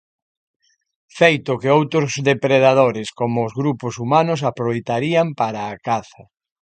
Feito que outros depredadores como os grupos humanos aproveitarían para a caza.